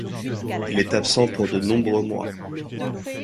Il est absent pour de nombreux mois.